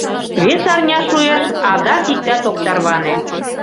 Вес арня шуэш — адак иктат ок тарване.